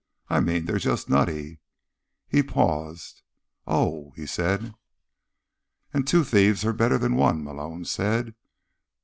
"I mean, they're just nutty." He paused. "Oh," he said. "And two thieves are better than one," Malone said.